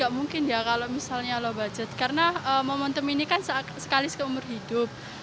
gak mungkin ya kalau misalnya low budget karena momentum ini kan sekalis ke umur hidup